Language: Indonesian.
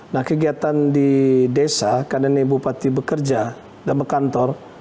nah kegiatan di desa karena ini bupati bekerja dan berkantor